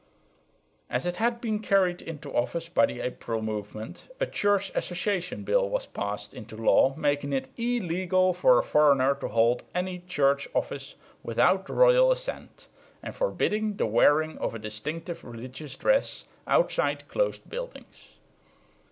As it had been carried into office by the April Movement, a Church Association Bill was passed into law making it illegal for a foreigner to hold any Church office without the royal assent, and forbidding the wearing of a distinctive religious dress outside closed buildings.